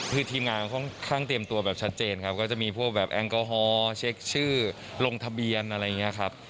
คือทีมงานค่อนข้างเตรียมตัวแบบชัดเจนครับก็จะมีพวกแบบแอลกอฮอล์เช็คชื่อลงทะเบียนอะไรอย่างนี้ครับ